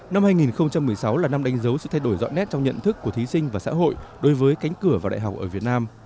năm hai nghìn một mươi sáu là năm đánh dấu sự thay đổi rõ nét trong nhận thức của thí sinh và xã hội đối với cánh cửa vào đại học ở việt nam